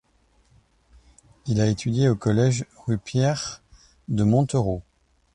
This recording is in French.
Il a étudié au collège Rue Pierre de Montereau.